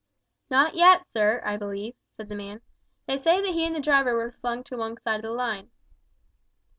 "Not yet sir, I believe," said the man. "They say that he and the driver were flung to one side of the line."